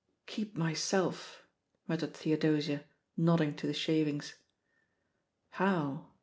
"'Keep myself 1" muttered Theodosia, nodding to the shavingSi, How?